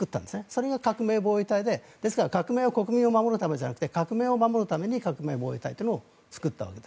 それが革命防衛隊で革命は国民を守るためじゃなくて革命を守るために革命防衛隊を作ったと。